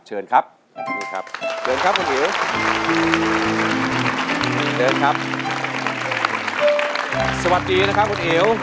เชิญครับสวัสดีนะครับคุณอิ๋ว